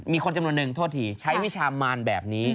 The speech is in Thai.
จำนวนหนึ่งโทษทีใช้วิชามานแบบนี้